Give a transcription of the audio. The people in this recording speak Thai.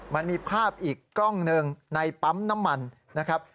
มันมีภาพอีกกล้องหนึ่งในปั๊มน้ำมันนะครับ